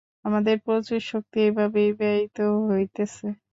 আমাদের প্রচুর শক্তি এইভাবেই ব্যয়িত হইতেছে।